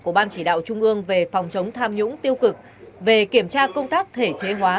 của ban chỉ đạo trung ương về phòng chống tham nhũng tiêu cực về kiểm tra công tác thể chế hóa